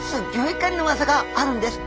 狩りの技があるんです。